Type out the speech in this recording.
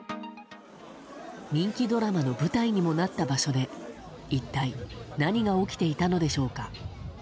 人気ドラマの舞台にもなった場所で一体何が起きていたのでしょうか。